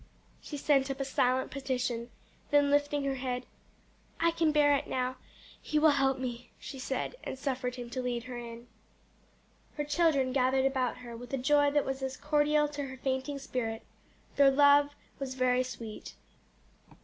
She sent up a silent petition, then lifting her head, "I can bear it now He will help me," she said, and suffered him to lead her in. Her children gathered about her with a joy that was as a cordial to her fainting spirit; their love was very sweet.